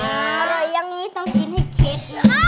อร่อยอย่างนี้ต้องกินให้คิด